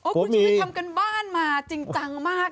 คุณชีวิตทำการบ้านมาจริงจังมาก